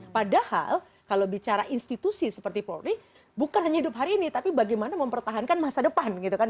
padahal kalau bicara institusi seperti polri bukan hanya hidup hari ini tapi bagaimana mempertahankan masa depan gitu kan